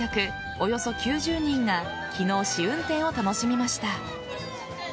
およそ９０人が昨日、試運転を楽しみました。